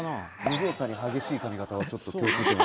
無造作に激しい髪型はちょっと共通点。